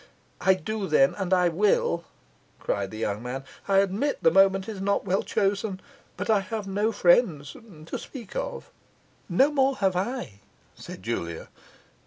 'I do then, and I will,' cried the young man. 'I admit the moment is not well chosen; but I have no friends to speak of.' 'No more have I,' said Julia.